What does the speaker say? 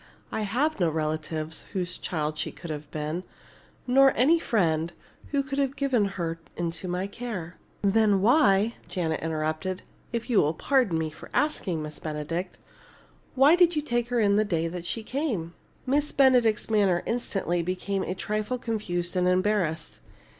I have no relatives whose child she could have been, nor any friend who could have given her into my care." "Then why," interrupted Janet, "if you will pardon me for asking, Miss Benedict, why did you take her in the day she came?" Miss Benedict's manner instantly became a trifle confused and embarrassed.